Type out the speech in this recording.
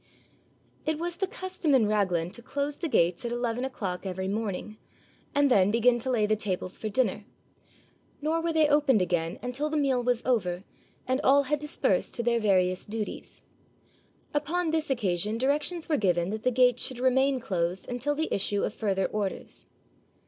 It was the custom in Raglan to close the gates at eleven o'clock every morning, and then begin to lay the tables for dinner; nor were they opened again until the meal was over, and all had dispersed to their various duties. Upon this occasion directions were given that the gates should remain closed until the issue of further orders.